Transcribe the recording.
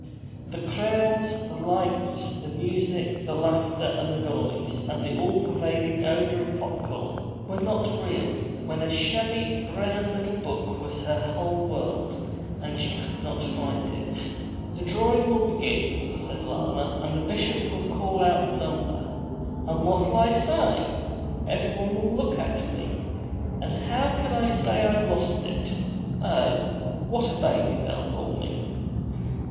The crowds, the lights, the music, the laughter, and the noise, and the pervading odor of popcorn were not real, when a shabby brown little book was her whole world, and she could not find it. 'The drawing will begin,' said Alanna, 'and the Bishop will call out the number! And what'll I say? Everyone will look at me; and how can I say I've lost it! Oh, what a baby they'll call me!'